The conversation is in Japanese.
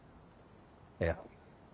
いや。